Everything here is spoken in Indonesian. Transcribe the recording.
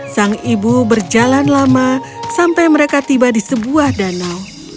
sang ibu berjalan lama sampai mereka tiba di sebuah danau